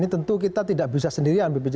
karena kita harus mengambil kepentingan kesehatan